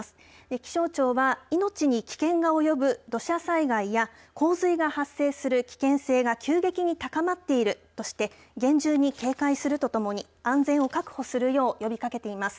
気象庁は命に危険が及ぶ土砂災害や洪水が発生する危険性が急激に高まっているとして厳重に警戒するとともに安全を確保するよう呼びかけています。